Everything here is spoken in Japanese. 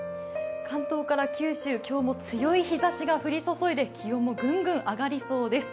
関東から九州、今日も強い日ざしが降り注いで気温もぐんぐん上がりそうです。